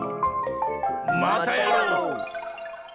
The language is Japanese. またやろう！